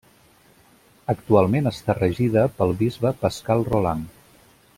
Actualment està regida pel bisbe Pascal Roland.